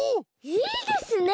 いいですね。